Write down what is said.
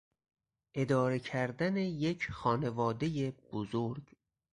اداره کردن یک خانوادهی بزرگ